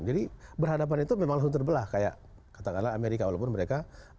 jadi berhadapan itu memang langsung terbelah kayak katakanlah amerika walaupun mereka bukan dengan perang